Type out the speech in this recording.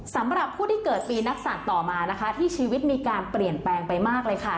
สำหรับผู้ที่เกิดปีนักศัตริย์ต่อมานะคะที่ชีวิตมีการเปลี่ยนแปลงไปมากเลยค่ะ